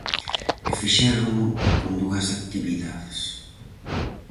E fixérono con dúas actividades.